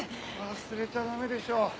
「忘れちゃ駄目でしょ。